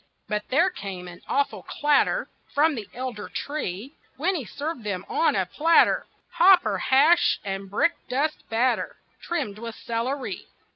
But there came an awful clatter From that elder tree, When he served them on a platter Hopper hash and brick dust batter Trimmed with celery!